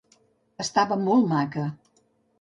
Estava molt maca.